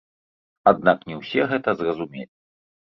Аднак не ўсе гэта зразумелі.